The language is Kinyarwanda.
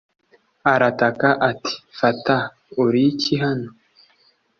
Arataka ati Fata uri iki hano